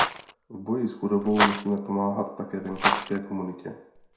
V boji s chudobou musíme pomáhat také venkovské komunitě.